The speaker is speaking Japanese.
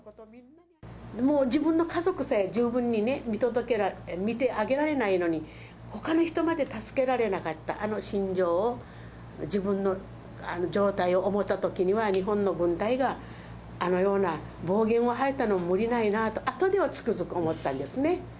もう自分の家族さえ十分に見てあげられないのに、ほかの人まで助けられなかった、あの心情を、自分の状態を思ったときには、日本の軍隊があのような暴言を吐いたのも無理ないなと、あとではつくづく思ったんですね。